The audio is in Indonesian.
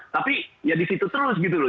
tapi ya disitu terus gitu loh